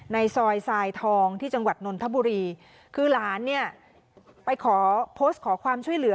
ในซอยทรายทองที่จังหวัดนนทบุรีคือหลานเนี่ยไปขอโพสต์ขอความช่วยเหลือ